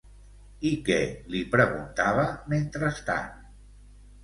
I què li preguntava, mentrestant?